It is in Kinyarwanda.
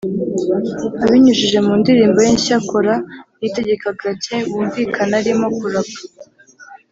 Abinyujije mu ndirimbo ye nshya ‘Kora’ Niyitegeka Gratien wumvikana arimo kurapa